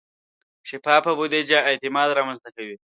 شفافه بودیجه اعتماد رامنځته کوي.